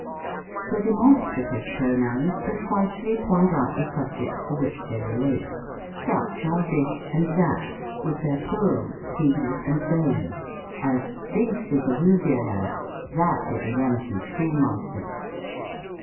The demonstrative pronouns precisely point out the subjects to which they relate ; such are this and that, with their plurals these and those ; as, " This is a Hoo sier lad; that is a Yankee school master."